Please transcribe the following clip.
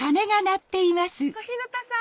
小日向さん！